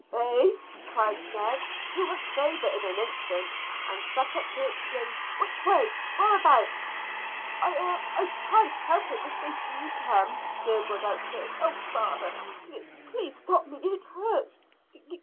"Eh?" cried Ned, who was sobered in an instant, and sat up to exclaim, "Which way? Whereabouts?" "I I I can't help it if they do come," gurgled out Chris. "Oh, father, plea please stop me; it hurts.